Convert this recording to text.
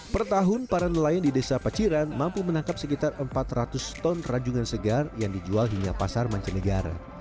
per tahun para nelayan di desa paciran mampu menangkap sekitar empat ratus ton rajungan segar yang dijual hingga pasar mancanegara